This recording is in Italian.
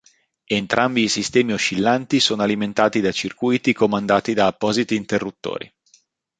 Entrambi i sistemi oscillanti sono alimentati da circuiti comandati da appositi interruttori.